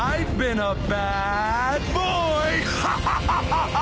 ハハハ！